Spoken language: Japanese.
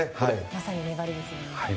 まさに粘りですよね。